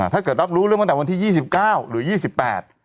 ถ้าเกิดรับรู้เรื่องมาตั้งแต่วันที่๒๙หรือ๒๘